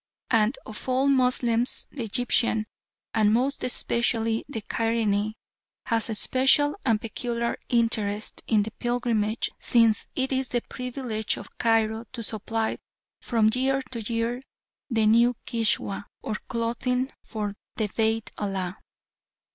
And of all Moslems the Egyptian, and most especially the Cairene, has a special and peculiar interest in the pilgrimage since it is the privilege of Cairo to supply from year to year the new Kiswa, or clothing for the Beit Allah.